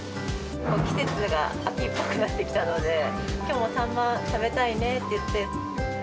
季節が秋っぽくなってきたので、きょうもサンマ食べたいねっていって。